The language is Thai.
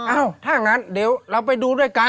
อ้าวถ้างั้นเดี๋ยวเราไปดูด้วยกัน